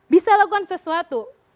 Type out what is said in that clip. bisa lakukan sesuatu